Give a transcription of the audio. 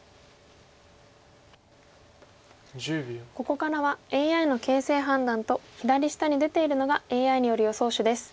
ここからはＡＩの形勢判断と左下に出ているのがＡＩによる予想手です。